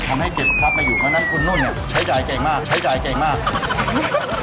ทำให้เก็บซับมาอยู่เมื่อนั้นคุณนุ่นใช้จ่ายเก่งมากใช้จ่ายเก่งมาก